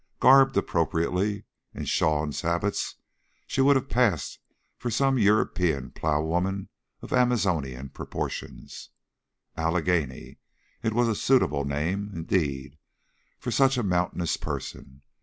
Garbed appropriately, in shawl and sabots, she would have passed for some European plowwoman of Amazonian proportions. Allegheny! It was a suitable name, indeed, for such a mountainous person.